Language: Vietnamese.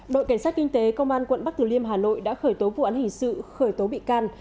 đội cảnh sát kinh tế công an quận bắc tử liêm hà nội đã khởi tố vụ án hình sự khởi tố bị can